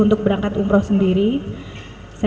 untuk menangkap raja